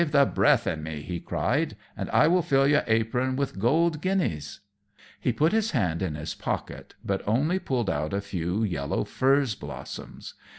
_] "Lave the breath in me," he cried, "and I will fill your apron with golden guineas." He put his hand in his pocket, but only pulled out a few yellow furze blossoms.